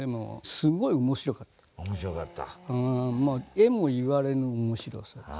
えも言われぬ面白さです。